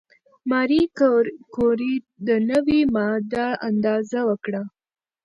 ماري کوري د نوې ماده اندازه وکړه.